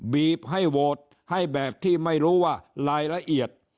บีบให้โหวตให้แบบที่ไม่รู้ว่ารายละเอียด